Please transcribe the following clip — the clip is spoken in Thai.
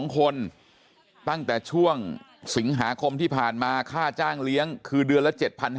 ๒คนตั้งแต่ช่วงสิงหาคมที่ผ่านมาค่าจ้างเลี้ยงคือเดือนละ๗๕๐